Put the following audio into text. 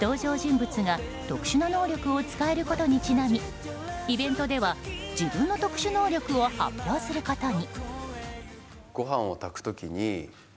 登場人物が特殊な能力を使えることにちなみイベントでは、自分の特殊能力を発表することに。